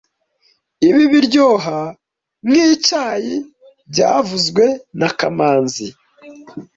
Ibi biryoha nkicyayi byavuzwe na kamanzi